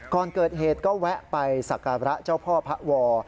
ก่อนเกิดเหตุก็แวะไปสักการะเจ้าพ่อพระวอ